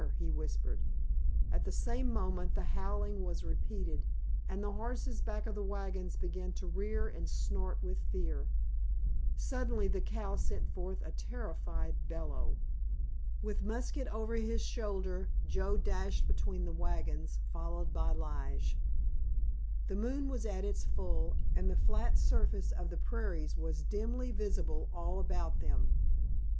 he whispered. At the same moment the howling was repeated, and the horses back of the wagons began to rear and snort with fear. Suddenly the cow sent forth a terrified bellow. With musket over his shoulder Joe dashed between the wagons, followed by Lige. The moon was at its full, and the flat surface of the prairies was dimly visible all about them.